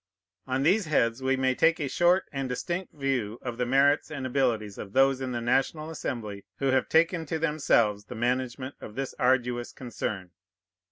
On these heads we may take a short and distinct view of the merits and abilities of those in the National Assembly who have taken to themselves the management of this arduous concern.